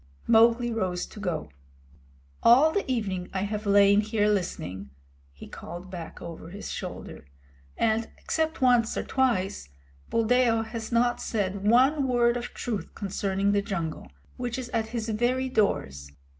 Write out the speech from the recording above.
Mowgli rose to go. "All the evening I have lain here listening," he called back over his shoulder, "and, except once or twice, Buldeo has not said one word of truth concerning the jungle, which is at his very doors.